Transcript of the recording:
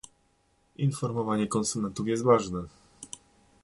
Informowanie konsumentów jest ważne